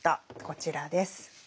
こちらです。